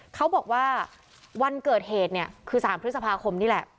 เขาบอกว่าวันเกิดเหตุเนี่ยคือ๓พฤษภาคมนี่แหละ